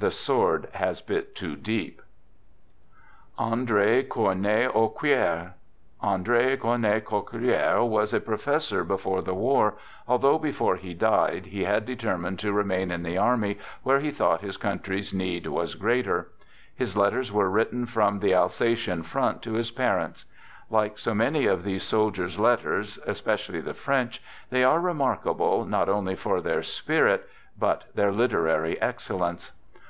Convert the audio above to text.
The sword has bit too deep. "Letters to His Wife," by R. E. Vernede. London: W. Collins & Co. Digitized by ANDRE CORNET AUQUIER Andre Cornet Auquier was a professor before the war, although before he died he had determined to remain in the army where he thought his country's need was greater. His letters were written from the Alsatian front to his parents. Like so many of these soldiers' letters, especially the French, they are remarkable not only for their spirit but their literary excellence.